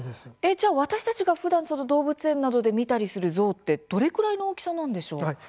じゃあ私たちがふだん動物園で見たりするゾウってどれぐらいの大きさなんでしょう。